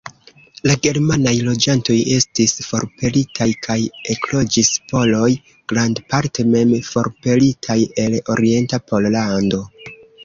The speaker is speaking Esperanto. La germanaj loĝantoj estis forpelitaj, kaj ekloĝis poloj, grandparte mem forpelitaj el orienta Pollando.